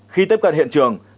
khi tiếp cận hiện trường